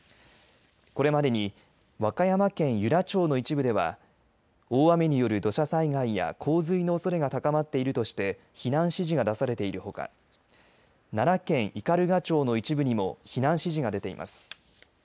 これまでに和歌山県由良町の一部では大雨による土砂災害や洪水のおそれが高まっているとして避難指示が出されているほか奈良県斑鳩町の一部にも避難指示が出ています。